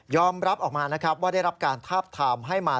ออกมานะครับว่าได้รับการทาบทามให้มา